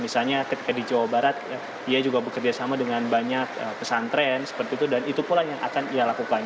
misalnya ketika di jawa barat ia juga bekerjasama dengan banyak pesantren seperti itu dan itu pula yang akan ia lakukan